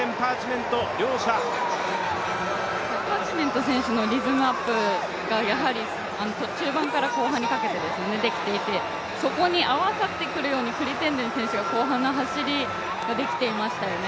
パーチメント選手のリズムアップが中盤から後半にかけてできていてそこに合わさったくるようにクリッテンデン選手が後半の走りができていましたよね。